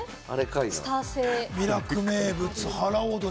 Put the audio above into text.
ミラク名物・腹踊り！